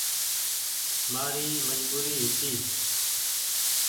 مآري مجبوري هيتي۔